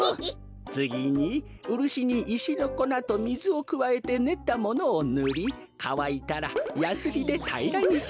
つぎにウルシにいしのこなとみずをくわえてねったものをぬりかわいたらやすりでたいらにします。